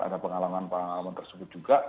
ada pengalaman pengalaman tersebut juga